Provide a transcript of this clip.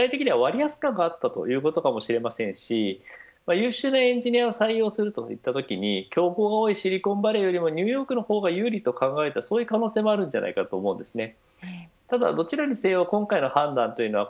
具体的には割安感があったということかもしれませんし優秀なエンジニアを採用するといったときに競合が多いシリコンバレーよりもニューヨークの方が有利と考えるそういう可能性もあるんじゃないかと思うんですね。